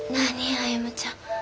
歩ちゃん。